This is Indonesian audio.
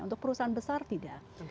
untuk perusahaan besar tidak